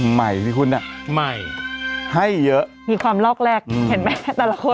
ใหม่ที่คุณอ่ะใหม่ให้เยอะมีความลอกแรกเห็นไหมแต่ละคน